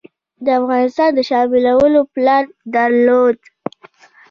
د افغانستان د شاملولو پلان درلود.